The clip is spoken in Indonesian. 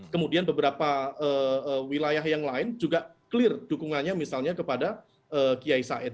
kemudian beberapa wilayah yang lain juga clear dukungannya misalnya kepada kiai said